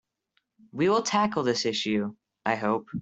We will tackle this issue, I hope.